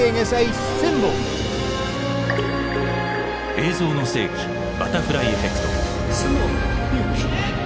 「映像の世紀バタフライエフェクト」。